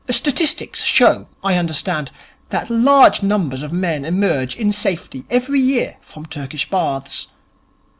Statistics show, I understand, that large numbers of men emerge in safety every year from Turkish Baths.